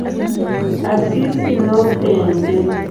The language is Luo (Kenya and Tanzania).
Asisi nopenje?